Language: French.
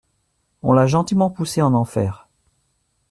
on l’a gentiment poussé en enfer